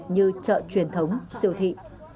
như chợ truyền thống siêu thị